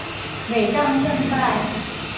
袂當算擺